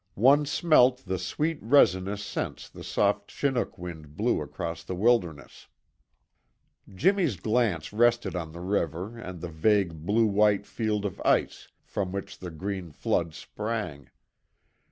One smelt the sweet resinous scents the soft Chinook wind blew across the wilderness. Jimmy's glance rested on the river and the vague blue white field of ice from which the green flood sprang.